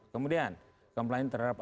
kemudian kemplian terhadap